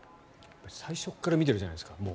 最初から見てるじゃないですか。